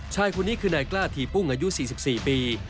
ชายคนนี้คือนายกล้าทีปุ้งอายุ๔๔ปี